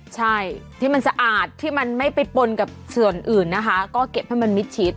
ใช่ที่มันสะอาดที่มันไม่ไปปนกับส่วนอื่นนะคะก็เก็บให้มันมิดชิด